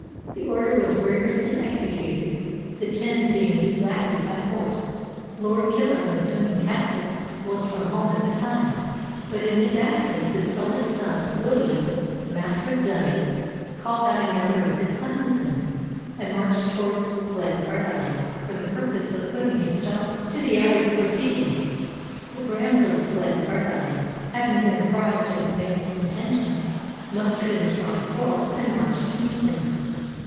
The order was rigorously executed, the teinds being exacted by force. Lord Killearn of Dunning Castle was from home at the time; but in his absence his eldest son, William, Master of Dunning, called out a number of his clansmen, and marched towards Glencardine for the purpose of putting a stop to the abbot's proceedings. The Grahams of Glencardine, having been apprised of their neighbour's intention, mustered in strong force, and marched to meet him.